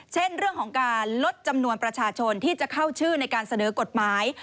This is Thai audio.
เช่นเรื่องของการลดจำนวนประชาชนที่จะเข้าชื่อในการเสนอกฎหมาย